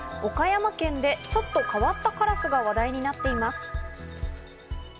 岡山県でちょっと変わったカラスが話題になっています。